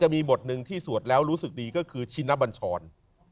มีบทหนึ่งที่สวดแล้วรู้สึกดีก็คือชินบัญชร